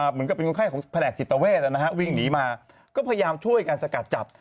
เป็นคนไข้ของแผนกจิตเวทนะครับวิ่งหนีมาก็พยายามช่วยการสกัดจับ